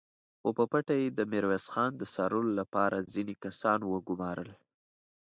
خو په پټه يې د ميرويس خان د څارلو له پاره ځينې کسان وګومارل!